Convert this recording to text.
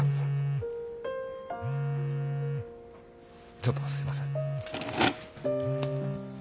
ちょっとすいません。